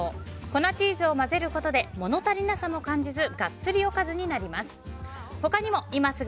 粉チーズを混ぜることで物足りなさも感じずガッツリおかずになります。